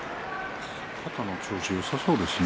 肩の調子、よさそうですね